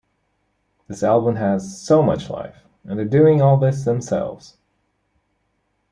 This album has so much life and they're doing all this themselves.